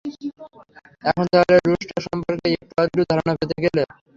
এখন তাহলে রুস্টার সম্পর্কে একটু-আধটু ধারণা পেয়ে গেলে।